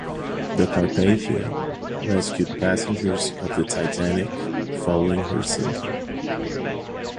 The "Carpathia" rescued passengers of the "Titanic" following her sinking.